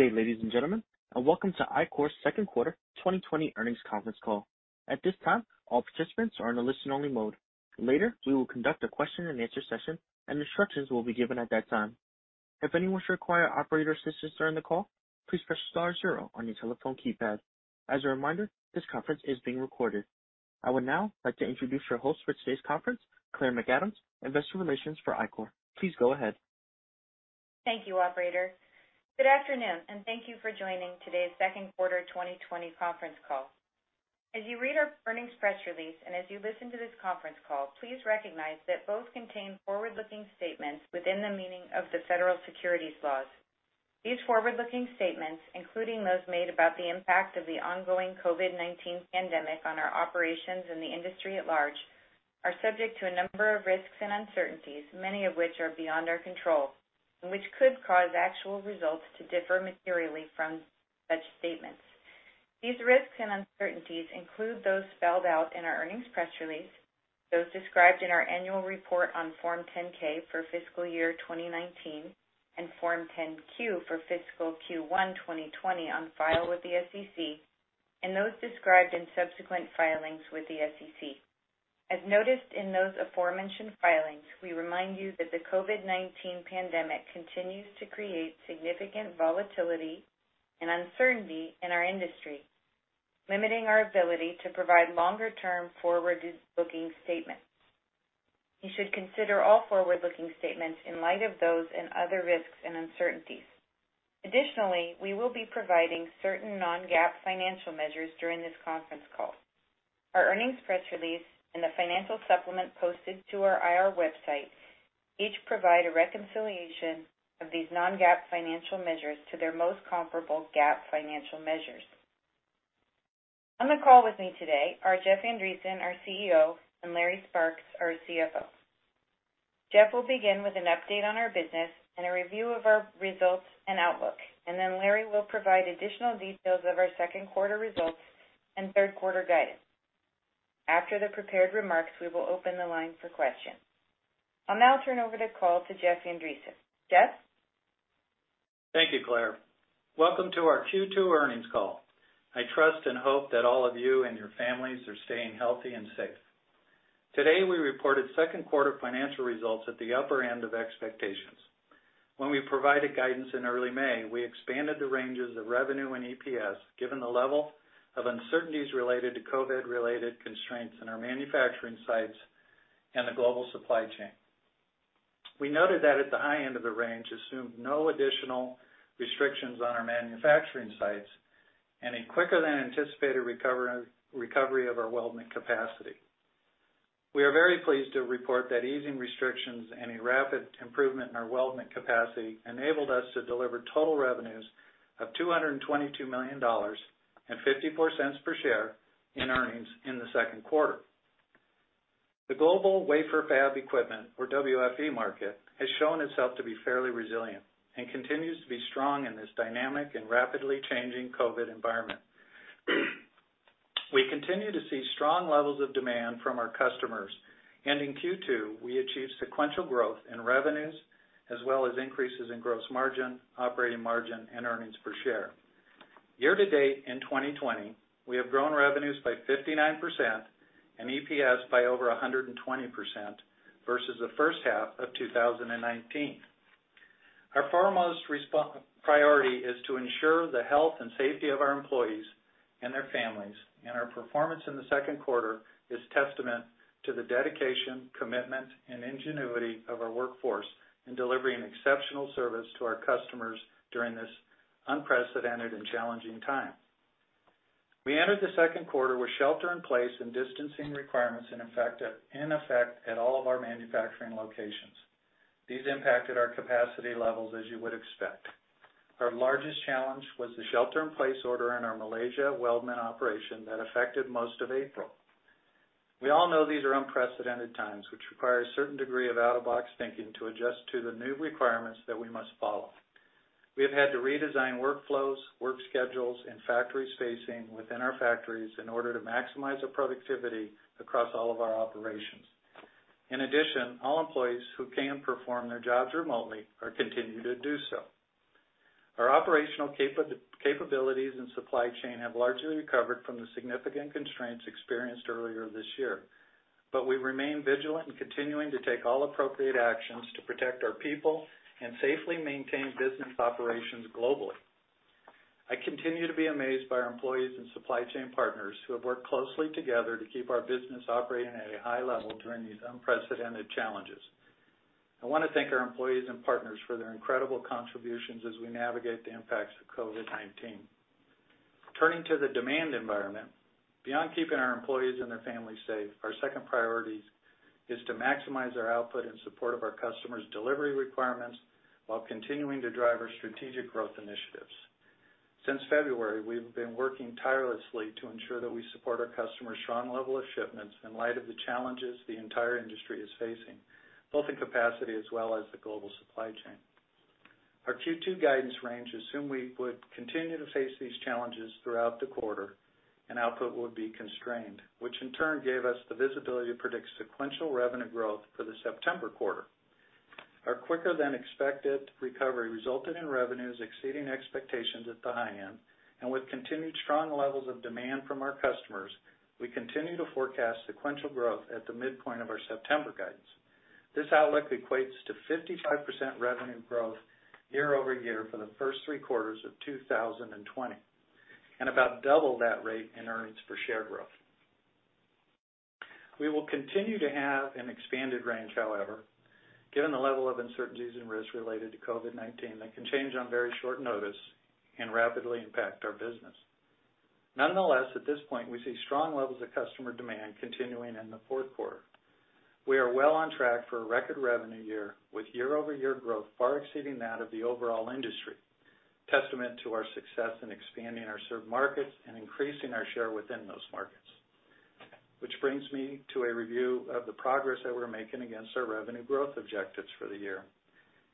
Good day, ladies and gentlemen, and welcome to Ichor's second quarter 2020 earnings conference call. At this time, all participants are in a listen-only mode. Later, we will conduct a question-and-answer session, and instructions will be given at that time. If anyone should require operator assistance during the call, please press star zero on your telephone keypad. As a reminder, this conference is being recorded. I would now like to introduce your host for today's conference, Claire McAdams, Investor Relations for Ichor. Please go ahead. Thank you, operator. Good afternoon, and thank you for joining today's second quarter 2020 conference call. As you read our earnings press release, and as you listen to this conference call, please recognize that both contain forward-looking statements within the meaning of the federal securities laws. These forward-looking statements, including those made about the impact of the ongoing COVID-19 pandemic on our operations and the industry at large, are subject to a number of risks and uncertainties, many of which are beyond our control, and which could cause actual results to differ materially from such statements. These risks and uncertainties include those spelled out in our earnings press release, those described in our annual report on Form 10-K for fiscal year 2019, and Form 10-Q for fiscal Q1 2020 on file with the SEC, and those described in subsequent filings with the SEC. As noted in those aforementioned filings, we remind you that the COVID-19 pandemic continues to create significant volatility and uncertainty in our industry, limiting our ability to provide longer-term forward-looking statements. You should consider all forward-looking statements in light of those and other risks and uncertainties. Additionally, we will be providing certain non-GAAP financial measures during this conference call. Our earnings press release and the financial supplement posted to our IR website each provide a reconciliation of these non-GAAP financial measures to their most comparable GAAP financial measures. On the call with me today are Jeff Andreson, our CEO, and Larry Sparks, our CFO. Jeff will begin with an update on our business and a review of our results and outlook, and then Larry will provide additional details of our second quarter results and third quarter guidance. After the prepared remarks, we will open the line for questions. I'll now turn over the call to Jeff Andreson. Jeff? Thank you, Claire. Welcome to our Q2 earnings call. I trust and hope that all of you and your families are staying healthy and safe. Today, we reported second quarter financial results at the upper end of expectations. When we provided guidance in early May, we expanded the ranges of revenue and EPS, given the level of uncertainties related to COVID-related constraints in our manufacturing sites and the global supply chain. We noted that at the high end of the range assumed no additional restrictions on our manufacturing sites and a quicker than anticipated recovery of our weldment capacity. We are very pleased to report that easing restrictions and a rapid improvement in our weldment capacity enabled us to deliver total revenues of $222 million and $0.54 per share in earnings in the second quarter. The global wafer fab equipment or WFE market, has shown itself to be fairly resilient and continues to be strong in this dynamic and rapidly changing COVID-19 environment. We continue to see strong levels of demand from our customers, and in Q2, we achieved sequential growth in revenues as well as increases in gross margin, operating margin, and earnings per share. Year to date in 2020, we have grown revenues by 59% and EPS by over 120% versus the first half of 2019. Our foremost priority is to ensure the health and safety of our employees and their families. Our performance in the second quarter is testament to the dedication, commitment, and ingenuity of our workforce in delivering exceptional service to our customers during this unprecedented and challenging time. We entered the second quarter with shelter in place and distancing requirements in effect at all of our manufacturing locations. These impacted our capacity levels, as you would expect. Our largest challenge was the shelter in place order in our Malaysia weldment operation that affected most of April. We all know these are unprecedented times, which require a certain degree of out-of-box thinking to adjust to the new requirements that we must follow. We have had to redesign workflows, work schedules, and factory spacing within our factories in order to maximize the productivity across all of our operations. In addition, all employees who can perform their jobs remotely are continuing to do so. Our operational capabilities and supply chain have largely recovered from the significant constraints experienced earlier this year, but we remain vigilant in continuing to take all appropriate actions to protect our people and safely maintain business operations globally. I continue to be amazed by our employees and supply chain partners who have worked closely together to keep our business operating at a high level during these unprecedented challenges. I want to thank our employees and partners for their incredible contributions as we navigate the impacts of COVID-19. Turning to the demand environment. Beyond keeping our employees and their families safe, our second priority is to maximize our output in support of our customers' delivery requirements while continuing to drive our strategic growth initiatives. Since February, we've been working tirelessly to ensure that we support our customers' strong level of shipments in light of the challenges the entire industry is facing, both in capacity as well as the global supply chain. Our Q2 guidance range assumed we would continue to face these challenges throughout the quarter. Output would be constrained, which in turn gave us the visibility to predict sequential revenue growth for the September quarter. Our quicker than expected recovery resulted in revenues exceeding expectations at the high end. With continued strong levels of demand from our customers, we continue to forecast sequential growth at the midpoint of our September guidance. This outlook equates to 55% revenue growth year-over-year for the first three quarters of 2020, and about double that rate in earnings per share growth. We will continue to have an expanded range, however, given the level of uncertainties and risks related to COVID-19 that can change on very short notice and rapidly impact our business. Nonetheless, at this point, we see strong levels of customer demand continuing in the fourth quarter. We are well on track for a record revenue year, with year-over-year growth far exceeding that of the overall industry, testament to our success in expanding our served markets and increasing our share within those markets. Which brings me to a review of the progress that we're making against our revenue growth objectives for the year.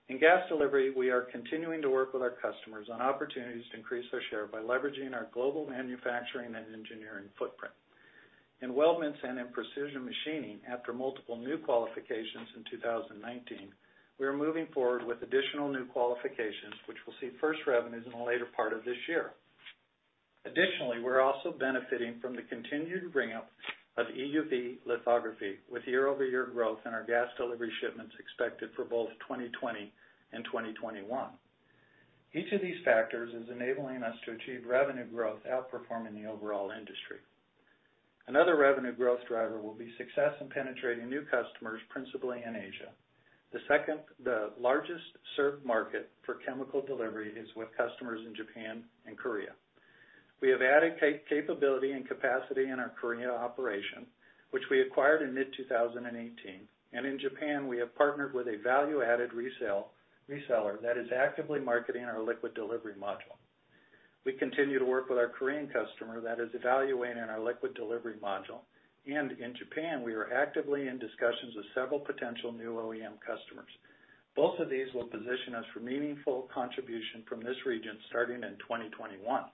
In gas delivery, we are continuing to work with our customers on opportunities to increase their share by leveraging our global manufacturing and engineering footprint. In weldments and in precision machining, after multiple new qualifications in 2019, we are moving forward with additional new qualifications which will see first revenues in the later part of this year. Additionally, we're also benefiting from the continued ramp of EUV lithography, with year-over-year growth in our gas delivery shipments expected for both 2020 and 2021. Each of these factors is enabling us to achieve revenue growth outperforming the overall industry. Another revenue growth driver will be success in penetrating new customers, principally in Asia. The second, the largest served market for chemical delivery is with customers in Japan and Korea. We have added capability and capacity in our Korea operation, which we acquired in mid-2018. In Japan, we have partnered with a value-added reseller that is actively marketing our liquid delivery module. We continue to work with our Korean customer that is evaluating our liquid delivery module, and in Japan we are actively in discussions with several potential new OEM customers. Both of these will position us for meaningful contribution from this region starting in 2021.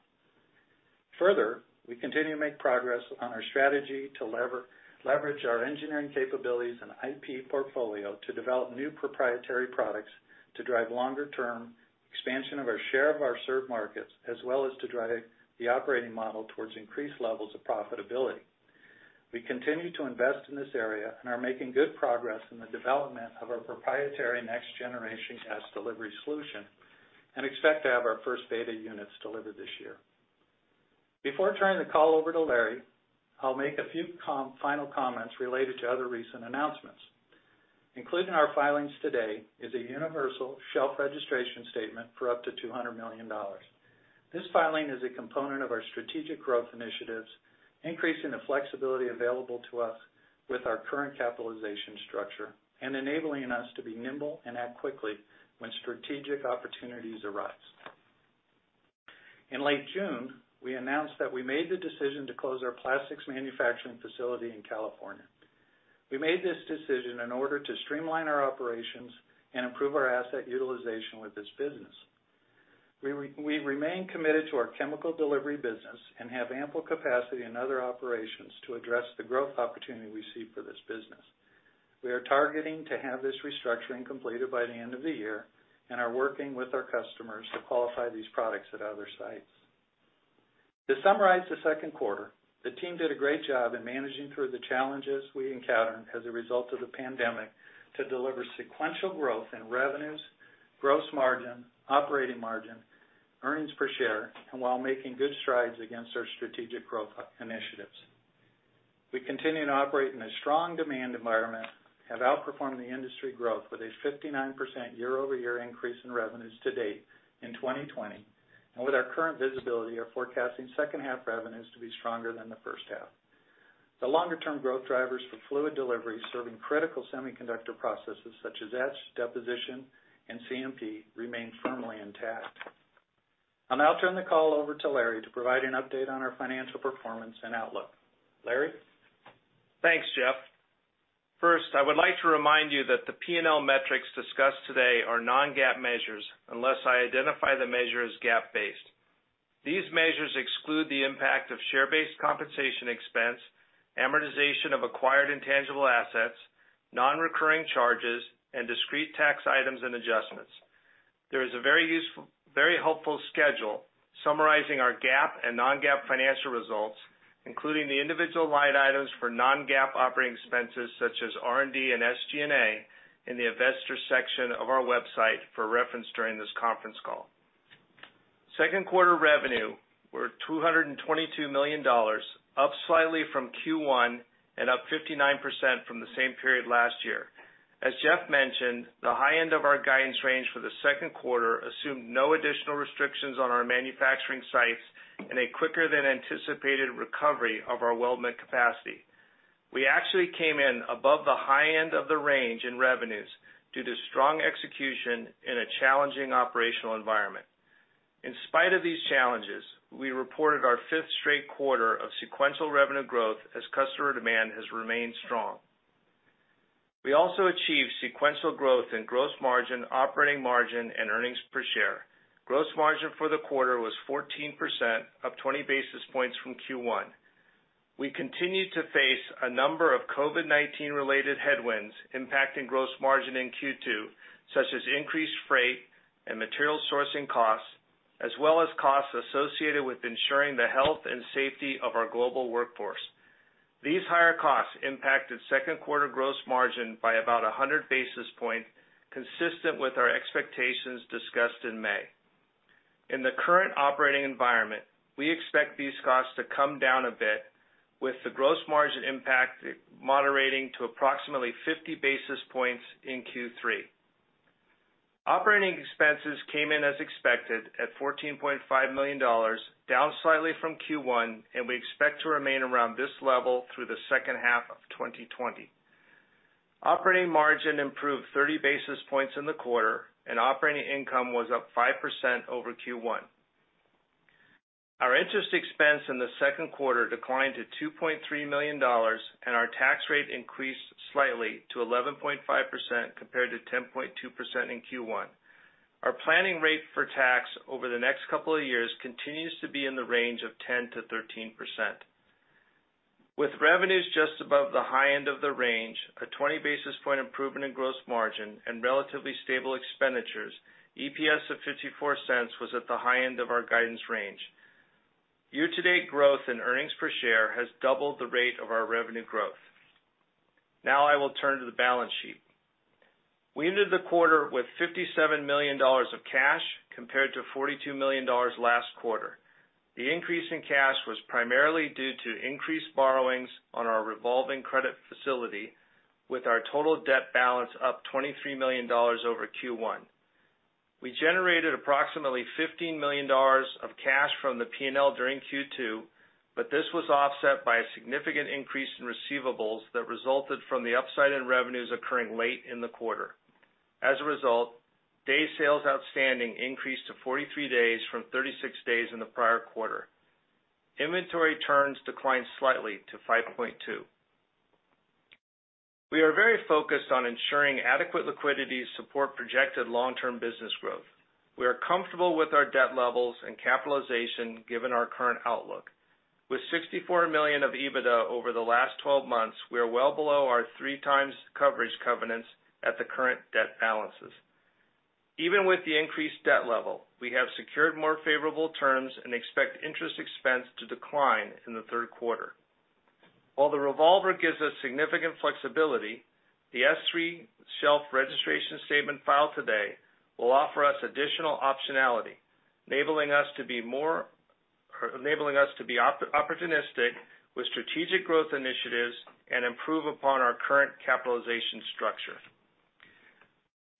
Further, we continue to make progress on our strategy to leverage our engineering capabilities and IP portfolio to develop new proprietary products to drive longer term expansion of our share of our served markets, as well as to drive the operating model towards increased levels of profitability. We continue to invest in this area and are making good progress in the development of our proprietary next generation gas delivery solution, and expect to have our first beta units delivered this year. Before turning the call over to Larry, I'll make a few final comments related to other recent announcements. Included in our filings today is a universal shelf registration statement for up to $200 million. This filing is a component of our strategic growth initiatives, increasing the flexibility available to us with our current capitalization structure and enabling us to be nimble and act quickly when strategic opportunities arise. In late June, we announced that we made the decision to close our plastics manufacturing facility in California. We made this decision in order to streamline our operations and improve our asset utilization with this business. We remain committed to our chemical delivery business and have ample capacity in other operations to address the growth opportunity we see for this business. We are targeting to have this restructuring completed by the end of the year and are working with our customers to qualify these products at other sites. To summarize the second quarter, the team did a great job in managing through the challenges we encountered as a result of the pandemic to deliver sequential growth in revenues, gross margin, operating margin, earnings per share, and while making good strides against our strategic growth initiatives. We continue to operate in a strong demand environment, have outperformed the industry growth with a 59% year-over-year increase in revenues to date in 2020. With our current visibility, are forecasting second half revenues to be stronger than the first half. The longer term growth drivers for fluid delivery serving critical semiconductor processes such as etch, deposition, and CMP remain firmly intact. I'll now turn the call over to Larry to provide an update on our financial performance and outlook. Larry? Thanks, Jeff. First, I would like to remind you that the P&L metrics discussed today are non-GAAP measures unless I identify the measure as GAAP-based. These measures exclude the impact of share-based compensation expense, amortization of acquired intangible assets, non-recurring charges, and discrete tax items and adjustments. There is a very helpful schedule summarizing our GAAP and non-GAAP financial results, including the individual line items for non-GAAP operating expenses such as R&D and SGA in the investor section of our website for reference during this conference call. Second quarter revenue were $222 million, up slightly from Q1 and up 59% from the same period last year. As Jeff mentioned, the high end of our guidance range for the second quarter assumed no additional restrictions on our manufacturing sites and a quicker than anticipated recovery of our weldment capacity. We actually came in above the high end of the range in revenues due to strong execution in a challenging operational environment. In spite of these challenges, we reported our fifth straight quarter of sequential revenue growth as customer demand has remained strong. We also achieved sequential growth in gross margin, operating margin, and earnings per share. Gross margin for the quarter was 14%, up 20 basis points from Q1. We continued to face a number of COVID-19 related headwinds impacting gross margin in Q2, such as increased freight and material sourcing costs, as well as costs associated with ensuring the health and safety of our global workforce. These higher costs impacted second quarter gross margin by about 100 basis points, consistent with our expectations discussed in May. In the current operating environment, we expect these costs to come down a bit, with the gross margin impact moderating to approximately 50 basis points in Q3. Operating expenses came in as expected at $14.5 million, down slightly from Q1, and we expect to remain around this level through the second half of 2020. Operating margin improved 30 basis points in the quarter, and operating income was up 5% over Q1. Our interest expense in the second quarter declined to $2.3 million, and our tax rate increased slightly to 11.5% compared to 10.2% in Q1. Our planning rate for tax over the next couple of years continues to be in the range of 10%-13%. With revenues just above the high end of the range, a 20 basis point improvement in gross margin, and relatively stable expenditures, EPS of $0.54 was at the high end of our guidance range. Year-to-date growth in earnings per share has doubled the rate of our revenue growth. Now I will turn to the balance sheet. We ended the quarter with $57 million of cash, compared to $42 million last quarter. The increase in cash was primarily due to increased borrowings on our revolving credit facility, with our total debt balance up $23 million over Q1. We generated approximately $15 million of cash from the P&L during Q2, this was offset by a significant increase in receivables that resulted from the upside in revenues occurring late in the quarter. As a result, day sales outstanding increased to 43 days from 36 days in the prior quarter. Inventory turns declined slightly to 5.2. We are very focused on ensuring adequate liquidity support projected long-term business growth. We are comfortable with our debt levels and capitalization given our current outlook. With $64 million of EBITDA over the last 12 months, we are well below our 3x coverage covenants at the current debt balances. Even with the increased debt level, we have secured more favorable terms and expect interest expense to decline in the third quarter. While the revolver gives us significant flexibility, the S-3 shelf registration statement filed today will offer us additional optionality, enabling us to be opportunistic with strategic growth initiatives and improve upon our current capitalization structure.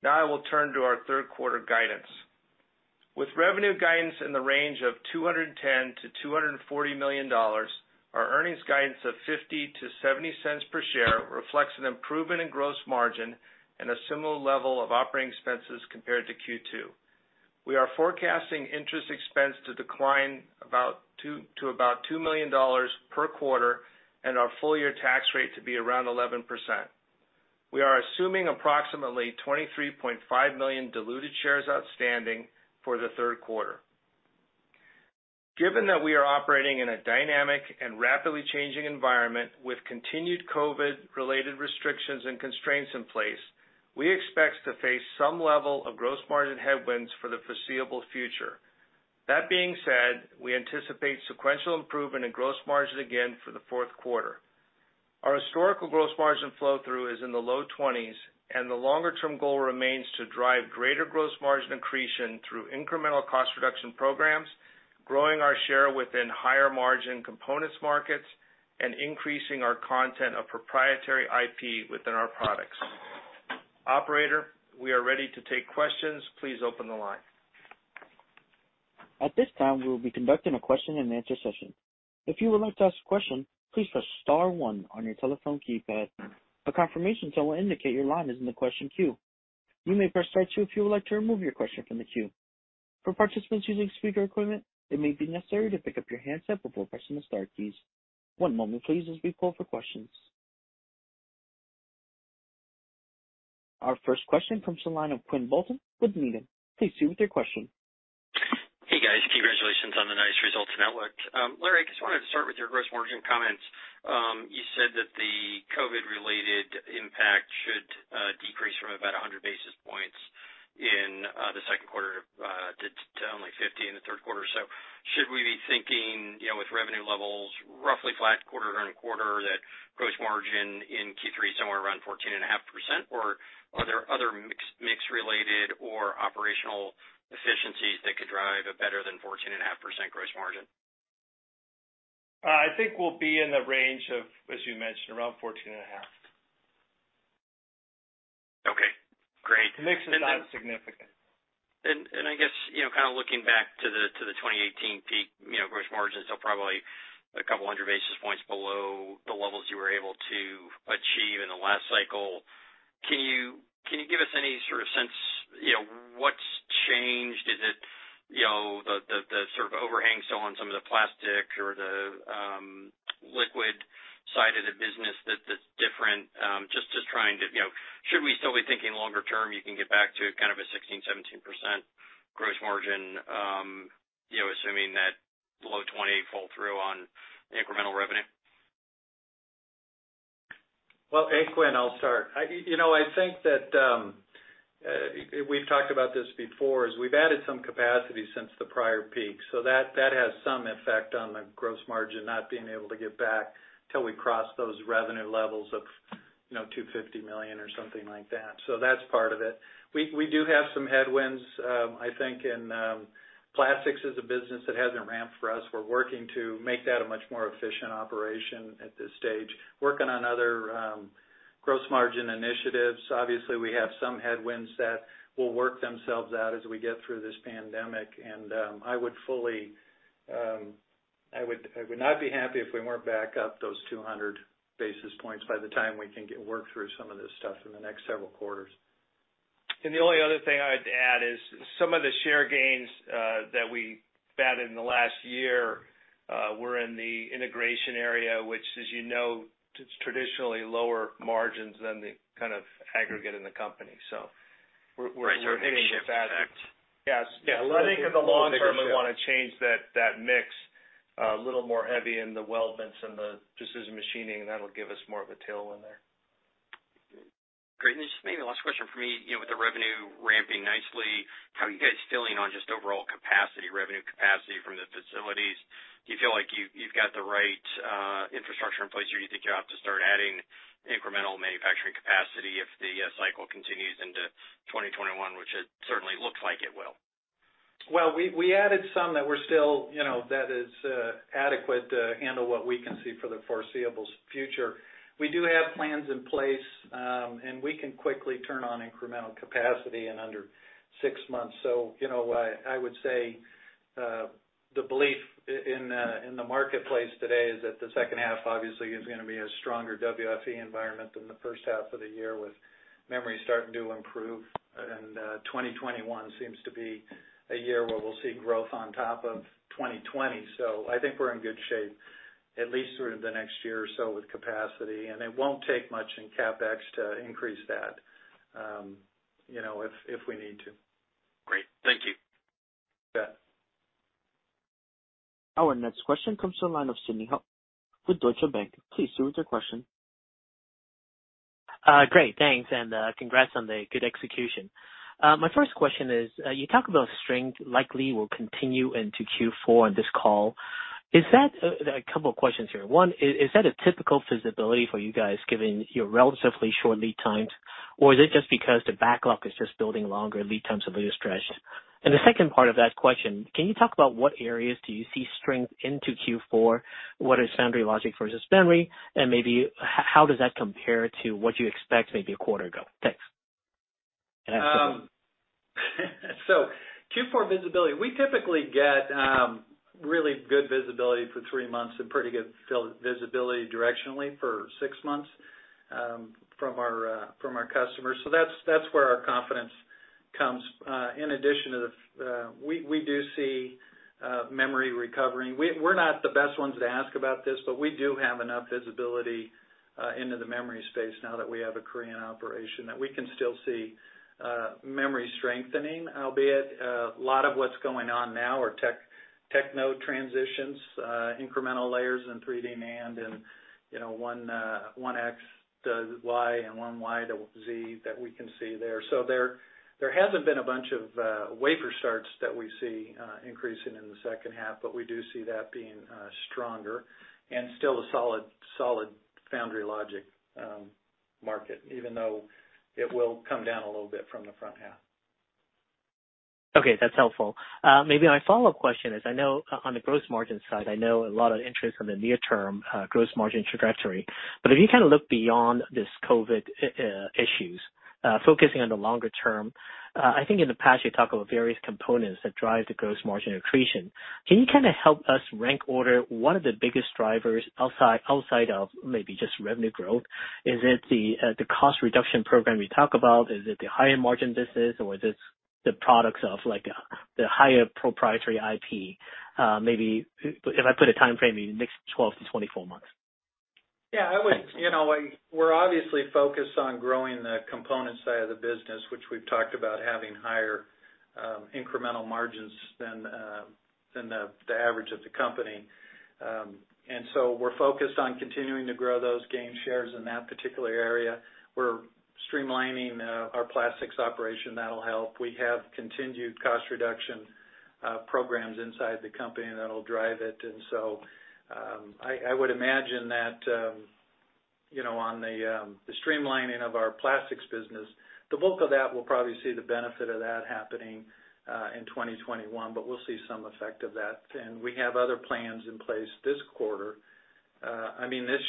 Now I will turn to our third quarter guidance. With revenue guidance in the range of $210 million-$240 million, our earnings guidance of $0.50-$0.70 per share reflects an improvement in gross margin and a similar level of operating expenses compared to Q2. We are forecasting interest expense to decline to about $2 million per quarter and our full-year tax rate to be around 11%. We are assuming approximately 23.5 million diluted shares outstanding for the third quarter. Given that we are operating in a dynamic and rapidly changing environment with continued COVID-19 related restrictions and constraints in place, we expect to face some level of gross margin headwinds for the foreseeable future. That being said, we anticipate sequential improvement in gross margin again for the fourth quarter. Our historical gross margin flow through is in the low 20s. The longer-term goal remains to drive greater gross margin accretion through incremental cost reduction programs, growing our share within higher margin components markets, and increasing our content of proprietary IP within our products. Operator, we are ready to take questions. Please open the line. At this time, we will be conducting a question-and-answer session. If you would like to ask a question, please press star one on your telephone keypad. A confirmation tone will indicate your line is in the question queue. You may press star two if you would like to remove your question from the queue. For participants using speaker equipment, it may be necessary to pick up your handset before pressing the star keys. One moment please as we call for questions. Our first question comes on the line of Quinn Bolton with Needham. Please proceed with your question. Hey guys, congratulations on the nice results and outlook. Larry, I just wanted to start with your gross margin comments. You said that the COVID-19 related impact should decrease from about 100 basis points in the second quarter to only 50 in the third quarter. Should we be thinking with revenue levels roughly flat quarter-on-quarter that gross margin in Q3 is somewhere around 14.5%? Or are there other mix related or operational efficiencies that could drive a better than 14.5% gross margin? I think we'll be in the range of, as you mentioned, around 14.5%. Okay, great. The mix is not significant. I guess kind of looking back to the 2018 peak gross margins are probably a couple hundred basis points below the levels you were able to achieve in the last cycle. Can you give us any sort of sense, what's changed? Is it the sort of overhang still on some of the plastics or the liquid side of the business that's different? Should we still be thinking longer term, you can get back to kind of a 16%-17% gross margin, assuming that low 20% pull through on incremental revenue? Hey, Quinn, I'll start. I think that we've talked about this before, is we've added some capacity since the prior peak, so that has some effect on the gross margin not being able to get back till we cross those revenue levels of $250 million or something like that. That's part of it. We do have some headwinds, I think, in plastics as a business that hasn't ramped for us. We're working to make that a much more efficient operation at this stage, working on other gross margin initiatives. Obviously, we have some headwinds that will work themselves out as we get through this pandemic. I would not be happy if we weren't back up those 200 basis points by the time we can get work through some of this stuff in the next several quarters. The only other thing I'd add is some of the share gains that we've added in the last year were in the integration area, which as you know, traditionally lower margins than the kind of aggregate in the company. We're hitting the fabs. Right, a shift effect. Yes. Yeah. I think in the long term, we want to change that mix a little more heavy in the weldments and the precision machining, that'll give us more of a tailwind there. Great. This may be the last question from me. With the revenue ramping nicely, how are you guys feeling on just overall capacity, revenue capacity from the facilities? Do you feel like you've got the right infrastructure in place, or you think you'll have to start adding incremental manufacturing capacity if the cycle continues into 2021, which it certainly looks like it will? Well, we added some that is adequate to handle what we can see for the foreseeable future. We do have plans in place. We can quickly turn on incremental capacity in under six months. I would say the belief in the marketplace today is that the second half obviously is going to be a stronger WFE environment than the first half of the year with memory starting to improve. 2021 seems to be a year where we'll see growth on top of 2020. I think we're in good shape, at least sort of the next year or so with capacity. It won't take much in CapEx to increase that if we need to. Great. Thank you. You bet. Our next question comes to the line of Sidney Ho with Deutsche Bank. Please proceed with your question. Great. Thanks, and congrats on the good execution. My first question is, you talk about strength likely will continue into Q4 on this call. A couple of questions here. One, is that a typical visibility for you guys given your relatively short lead times, or is it just because the backlog is just building longer lead times have been stretched? The second part of that question, can you talk about what areas do you see strength into Q4? What is foundry logic versus memory, and maybe how does that compare to what you expect maybe a quarter ago? Thanks. Q4 visibility, we typically get really good visibility for three months and pretty good visibility directionally for six months from our customers. In addition, we do see memory recovering. We're not the best ones to ask about this, but we do have enough visibility into the memory space now that we have a Korean operation, that we can still see memory strengthening, albeit a lot of what's going on now are techno transitions, incremental layers in 3D NAND, and 1x, 1y and 1y, 1z that we can see there. There hasn't been a bunch of wafer starts that we see increasing in the second half, but we do see that being stronger and still a solid foundry logic market, even though it will come down a little bit from the front half. Okay, that's helpful. Maybe my follow-up question is, I know on the gross margin side, I know a lot of interest on the near term gross margin trajectory, but if you kind of look beyond these COVID-19 issues, focusing on the longer term, I think in the past you talked about various components that drive the gross margin accretion. Can you kind of help us rank order one of the biggest drivers outside of maybe just revenue growth? Is it the cost reduction program you talk about? Is it the higher margin business, or is this the products of the higher proprietary IP? Maybe if I put a timeframe in the next 12-24 months. Yeah. We're obviously focused on growing the component side of the business, which we've talked about having higher incremental margins than the average of the company. We're focused on continuing to grow those gain shares in that particular area. We're streamlining our plastics operation. That'll help. We have continued cost reduction programs inside the company, and that'll drive it. I would imagine that on the streamlining of our plastics business, the bulk of that will probably see the benefit of that happening in 2021, but we'll see some effect of that. We have other plans in place this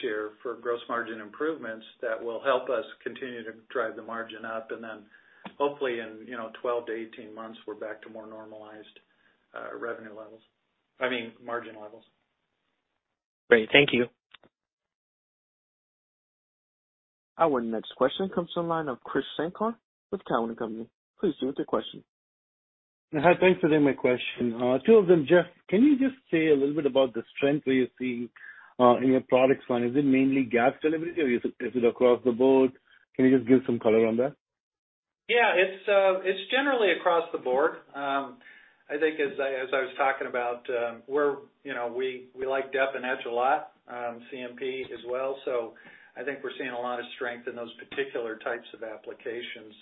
year for gross margin improvements that will help us continue to drive the margin up, then hopefully in 12 to 18 months, we're back to more normalized revenue levels-- I mean, margin levels. Great. Thank you. Our next question comes from the line of Krish Sankar with Cowen and Company. Please proceed with your question. Hi, thanks for taking my question. Two of them, Jeff, can you just say a little bit about the strength where you see in your products line? Is it mainly gas delivery, or is it across the board? Can you just give some color on that? Yeah. It's generally across the board. I think as I was talking about, we like dep and etch a lot, CMP as well. I think we're seeing a lot of strength in those particular types of applications.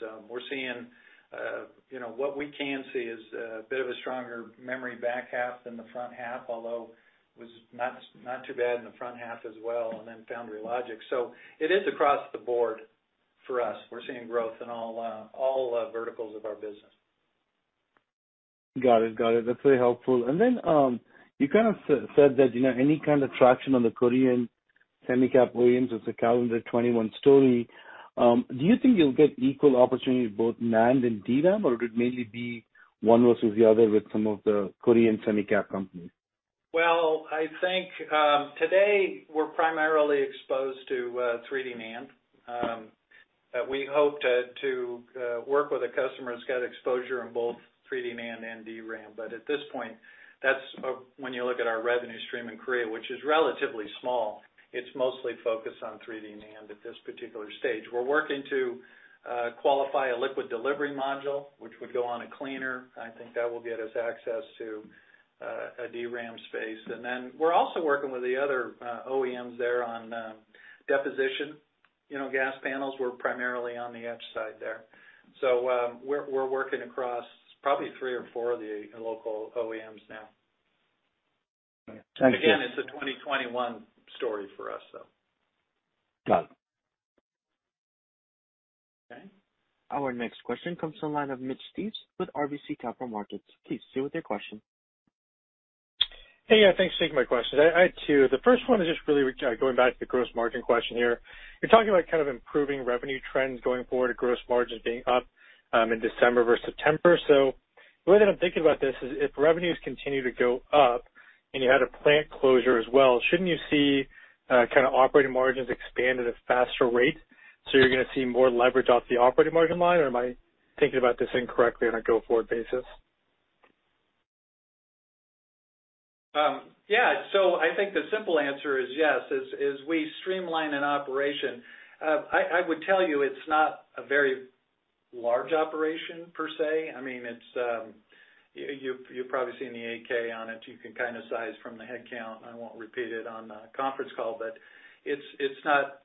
What we can see is a bit of a stronger memory back half than the front half, although it was not too bad in the front half as well, and then foundry logic. It is across the board for us. We're seeing growth in all verticals of our business. Got it. That's very helpful. Then, you kind of said that any kind of traction on the Korean semi-cap wins is a calendar 2021 story. Do you think you'll get equal opportunity both NAND and DRAM, or would it mainly be one versus the other with some of the Korean semi-cap companies? Well, I think, today we're primarily exposed to 3D NAND. We hope to work with a customer that's got exposure in both 3D NAND and DRAM. At this point, when you look at our revenue stream in Korea, which is relatively small, it's mostly focused on 3D NAND at this particular stage. We're working to qualify a liquid delivery module, which would go on a cleaner. I think that will get us access to a DRAM space. We're also working with the other OEMs there on deposition gas panels. We're primarily on the etch side there. We're working across probably three or four of the local OEMs now. Thank you. Again, it's a 2021 story for us, though. Got it. Okay. Our next question comes to the line of Mitch Steves with RBC Capital Markets. Please proceed with your question. Hey, yeah, thanks for taking my questions. I had two. The first one is just really going back to the gross margin question here. You're talking about kind of improving revenue trends going forward, gross margins being up, in December versus September. The way that I'm thinking about this is if revenues continue to go up and you had a plant closure as well, shouldn't you see kind of operating margins expand at a faster rate? You're going to see more leverage off the operating margin line, or am I thinking about this incorrectly on a go-forward basis? I think the simple answer is yes, as we streamline an operation. I would tell you it's not a very large operation per se. You've probably seen the 8-K on it. You can kind of size from the head count. I won't repeat it on the conference call, but it's not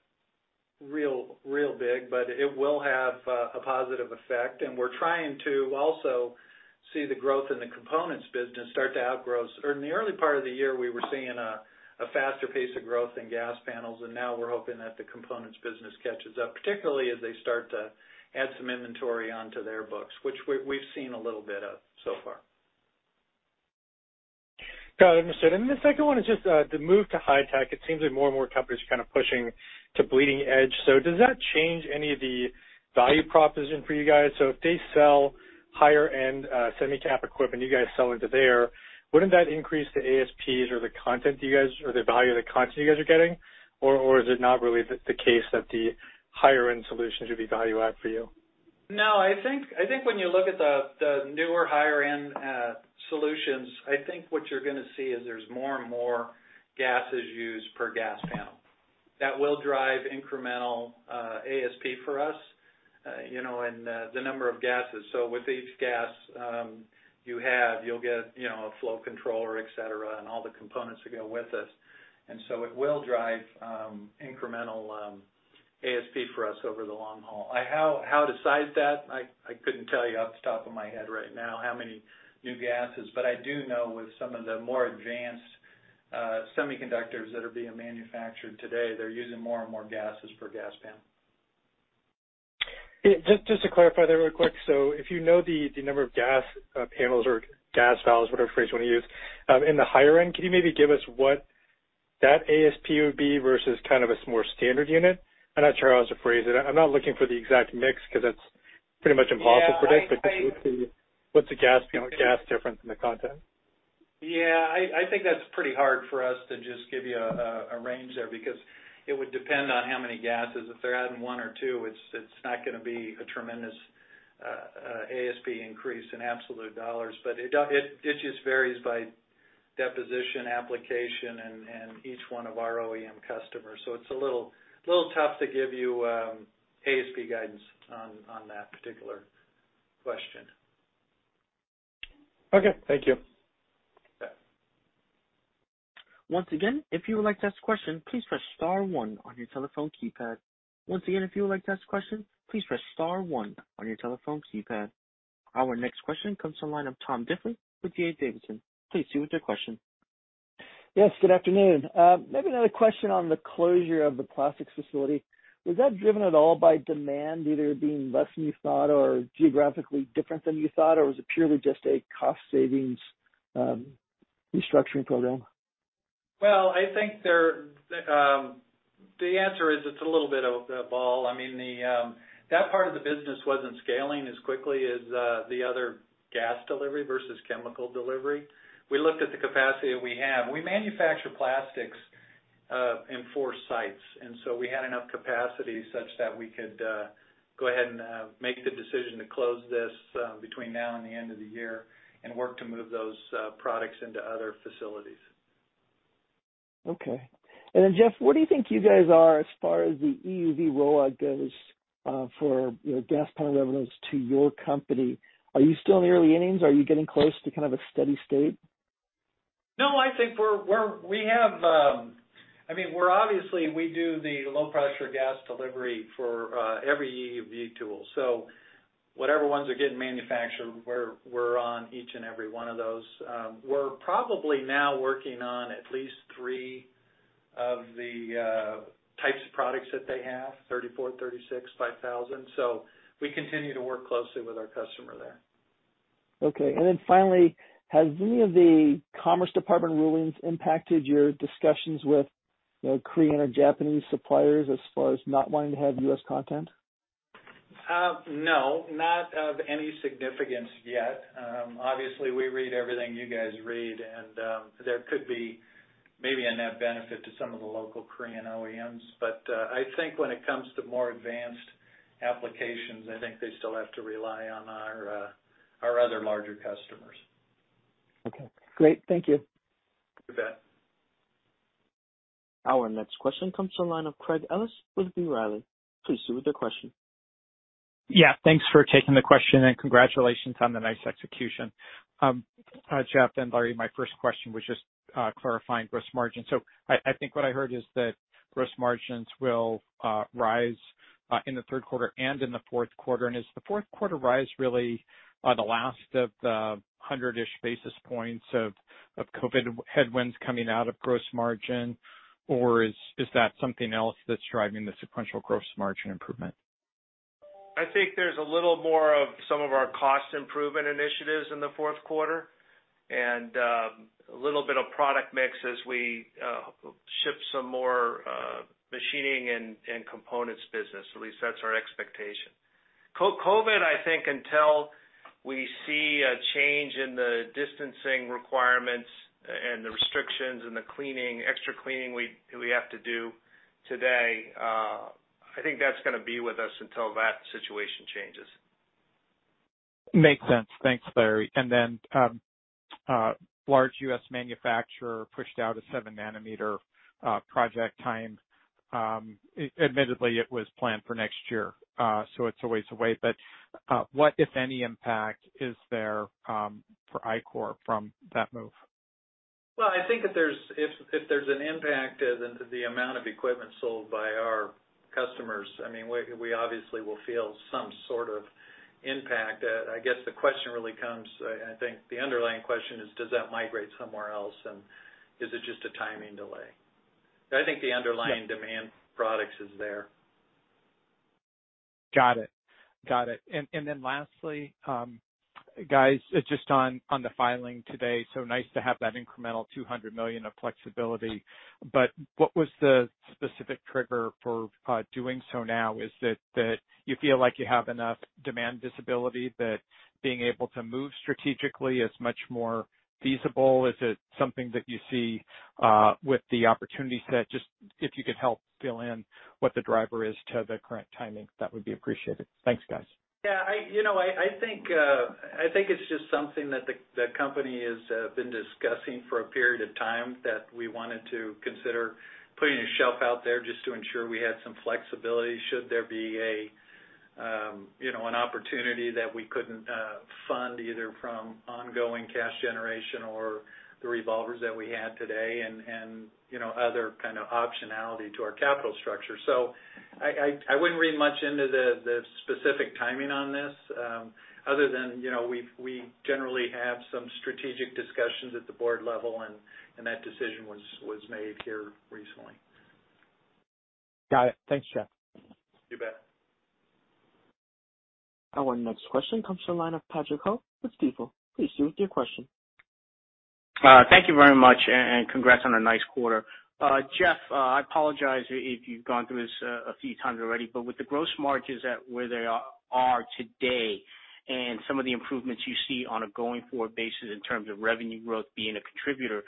real big, but it will have a positive effect, and we're trying to also see the growth in the components business start to outgrow. In the early part of the year, we were seeing a faster pace of growth in gas panels, and now we're hoping that the components business catches up, particularly as they start to add some inventory onto their books, which we've seen a little bit of so far. Got it, understood. The second one is just, the move to high-tech, it seems like more and more companies are kind of pushing to bleeding edge. Does that change any of the value proposition for you guys? If they sell higher-end semi-cap equipment, you guys sell into there, wouldn't that increase the ASPs or the value of the content you guys are getting? Is it not really the case that the higher-end solutions would be value-add for you? No, I think when you look at the newer higher-end solutions, I think what you're going to see is there's more and more gases used per gas panel. That will drive incremental ASP for us, and the number of gases. With each gas you have, you'll get a flow controller, et cetera, and all the components that go with it. It will drive incremental ASP for us over the long haul. How to size that, I couldn't tell you off the top of my head right now how many new gases, but I do know with some of the more advanced semiconductors that are being manufactured today, they're using more and more gases per gas panel. Just to clarify there real quick. If you know the number of gas panels or gas valves, whatever phrase you want to use, in the higher end, can you maybe give us what that ASP would be versus kind of a more standard unit? I'm not sure how else to phrase it. I'm not looking for the exact mix because that's pretty much impossible to predict. Yeah. Just what's the gas difference in the content? Yeah. I think that's pretty hard for us to just give you a range there because it would depend on how many gases. If they're adding one or two, it's not going to be a tremendous ASP increase in absolute dollars. It just varies by deposition application and each one of our OEM customers. It's a little tough to give you ASP guidance on that particular question. Okay. Thank you. You bet. Once again, if you would like to ask a question, please press star one on your telephone keypad. Once again, if you would like to ask a question, please press star one on your telephone keypad. Our next question comes to the line of Tom Diffely with D.A. Davidson. Please proceed with your question. Yes, good afternoon. Another question on the closure of the plastics facility. Was that driven at all by demand either being less than you thought or geographically different than you thought, or was it purely just a cost savings restructuring program? Well, I think the answer is it's a little bit of that ball. That part of the business wasn't scaling as quickly as the other gas delivery versus chemical delivery. We looked at the capacity that we have. We manufacture plastics in four sites. We had enough capacity such that we could go ahead and make the decision to close this between now and the end of the year and work to move those products into other facilities. Okay. Jeff, where do you think you guys are as far as the EUV rollout goes for gas panel revenues to your company? Are you still in the early innings? Are you getting close to kind of a steady state? No, obviously we do the low pressure gas delivery for every EUV tool. Whatever ones are getting manufactured, we're on each and every one of those. We're probably now working on at least 3 of the types of products that they have, 3400, 3600, 5000. We continue to work closely with our customer there. Okay. Finally, has any of the Commerce Department rulings impacted your discussions with Korean or Japanese suppliers as far as not wanting to have U.S. content? No, not of any significance yet. Obviously, we read everything you guys read, and there could be maybe a net benefit to some of the local Korean OEMs. I think when it comes to more advanced applications, I think they still have to rely on our other larger customers. Okay, great. Thank you. You bet. Our next question comes from the line of Craig Ellis with B. Riley. Please proceed with your question. Thanks for taking the question and congratulations on the nice execution. Jeff, then Larry, my first question was just clarifying gross margin. I think what I heard is that gross margins will rise in the third quarter and in the fourth quarter. Is the fourth quarter rise really the last of the 100-ish basis points of COVID headwinds coming out of gross margin? Is that something else that's driving the sequential gross margin improvement? I think there's a little more of some of our cost improvement initiatives in the fourth quarter and a little bit of product mix as we ship some more machining and components business. At least that's our expectation. COVID, I think until we see a change in the distancing requirements and the restrictions and the extra cleaning we have to do today, I think that's going to be with us until that situation changes. Makes sense. Thanks, Larry. Then, large U.S. manufacturer pushed out a 7 nm project time. Admittedly, it was planned for next year. It's a ways away, but what, if any, impact is there for Ichor from that move? Well, I think if there's an impact to the amount of equipment sold by our customers, we obviously will feel some sort of impact. I guess the question really comes, I think the underlying question is does that migrate somewhere else? Is it just a timing delay? I think the underlying demand for products is there. Got it. Lastly, guys, just on the filing today, nice to have that incremental $200 million of flexibility. What was the specific trigger for doing so now? Is it that you feel like you have enough demand visibility that being able to move strategically is much more feasible? Is it something that you see with the opportunity set? Just if you could help fill in what the driver is to the current timing, that would be appreciated. Thanks, guys. I think it's just something that the company has been discussing for a period of time that we wanted to consider putting a shelf out there just to ensure we had some flexibility should there be an opportunity that we couldn't fund, either from ongoing cash generation or the revolvers that we had today and other kind of optionality to our capital structure. I wouldn't read much into the specific timing on this other than we generally have some strategic discussions at the board level, and that decision was made here recently. Got it. Thanks, Jeff. You bet. Our next question comes from the line of Patrick Ho with Stifel. Please proceed with your question. Thank you very much, and congrats on a nice quarter. Jeff, I apologize if you've gone through this a few times already, but with the gross margins at where they are today and some of the improvements you see on a going forward basis in terms of revenue growth being a contributor,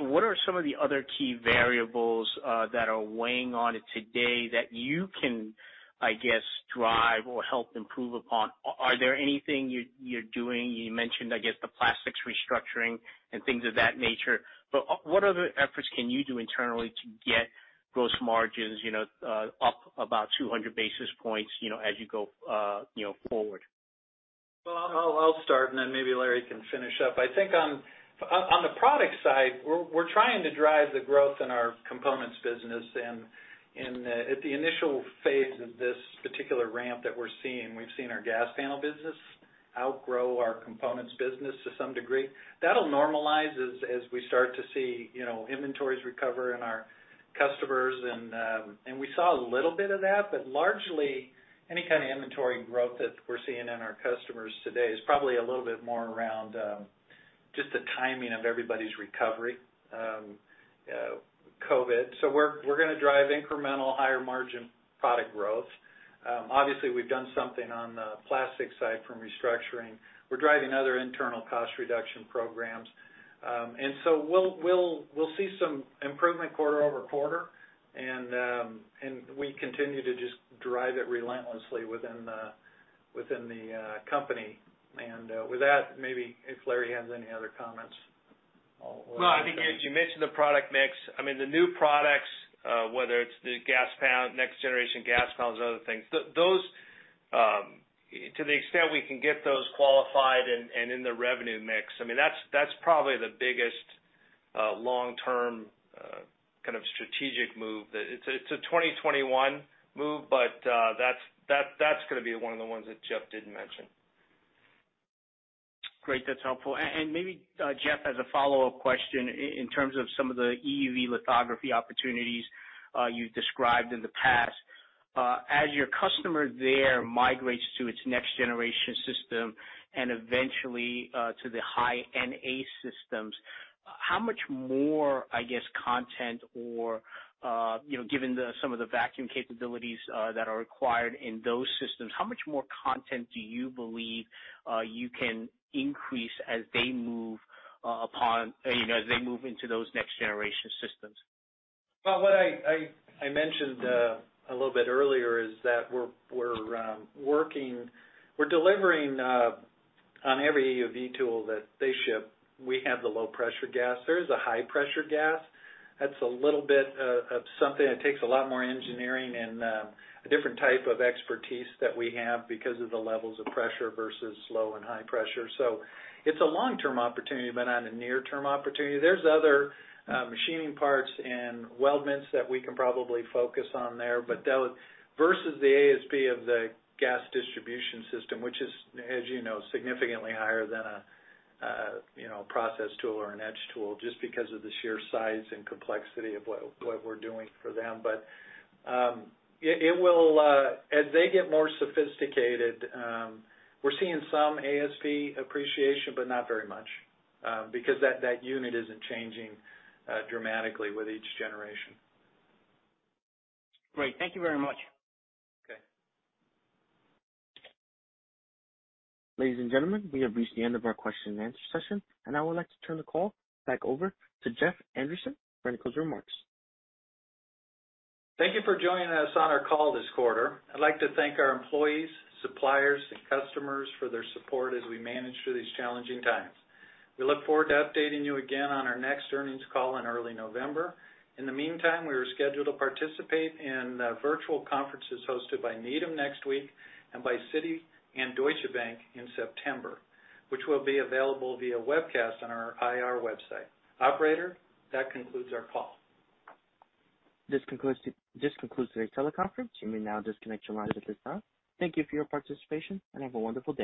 what are some of the other key variables that are weighing on it today that you can, I guess, drive or help improve upon? Are there anything you're doing? You mentioned, I guess, the plastics restructuring and things of that nature, but what other efforts can you do internally to get gross margins up about 200 basis points as you go forward? Well, I'll start and then maybe Larry can finish up. I think on the product side, we're trying to drive the growth in our components business. At the initial phase of this particular ramp that we're seeing. We've seen our gas panel business outgrow our components business to some degree. That'll normalize as we start to see inventories recover in our customers. We saw a little bit of that. Largely any kind of inventory growth that we're seeing in our customers today is probably a little bit more around just the timing of everybody's recovery, COVID. We're going to drive incremental higher margin product growth. Obviously, we've done something on the plastic side from restructuring. We're driving other internal cost reduction programs. We'll see some improvement quarter-over-quarter. We continue to just drive it relentlessly within the company. With that, maybe if Larry has any other comments, I'll let him. No, I think as you mentioned, the product mix, I mean, the new products, whether it's the gas panel, next generation gas panels, other things, those, to the extent we can get those qualified and in the revenue mix, I mean, that's probably the biggest long-term kind of strategic move. It's a 2021 move, but that's going to be one of the ones that Jeff didn't mention. Great. That's helpful. Maybe, Jeff, as a follow-up question, in terms of some of the EUV lithography opportunities you've described in the past, as your customer there migrates to its next generation system and eventually to the High-NA systems, how much more, I guess, content or, given some of the vacuum capabilities that are required in those systems, how much more content do you believe you can increase as they move into those next generation systems? Well, what I mentioned a little bit earlier is that we're delivering on every EUV tool that they ship. We have the low-pressure gas. There is a high-pressure gas. That's a little bit of something that takes a lot more engineering and a different type of expertise that we have because of the levels of pressure versus low and high pressure. It's a long-term opportunity, but not a near-term opportunity. There's other machining parts and weldments that we can probably focus on there. Versus the ASP of the gas distribution system, which is, as you know, significantly higher than a process tool or an edge tool, just because of the sheer size and complexity of what we're doing for them. As they get more sophisticated, we're seeing some ASP appreciation, but not very much, because that unit isn't changing dramatically with each generation. Great. Thank you very much. Okay. Ladies and gentlemen, we have reached the end of our question-and-answer session, and I would like to turn the call back over to Jeff Andreson for any closing remarks. Thank you for joining us on our call this quarter. I'd like to thank our employees, suppliers, and customers for their support as we manage through these challenging times. We look forward to updating you again on our next earnings call in early November. In the meantime, we are scheduled to participate in virtual conferences hosted by Needham next week and by Citi and Deutsche Bank in September, which will be available via webcast on our IR website. Operator, that concludes our call. This concludes the teleconference. You may now disconnect your lines at this time. Thank you for your participation and have a wonderful day.